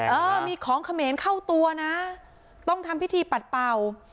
เออมีของเขมรเข้าตัวนะต้องทำพิธีปัดเป่า